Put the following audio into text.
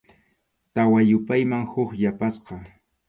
Tawa yupayman huk yapasqa.